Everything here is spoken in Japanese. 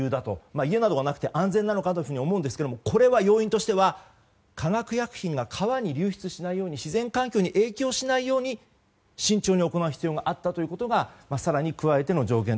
家などがなくて安全なのかというふうに思うんですがこれは、要因としては化学薬品が川に流出しないように自然環境に影響しないように慎重に行う必要があったということが更に加えての条件と。